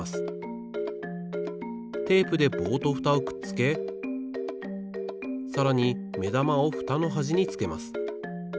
テープで棒とフタをくっつけさらにめだまをフタのはじにつけます。